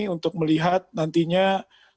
untuk melihat nantinya hasil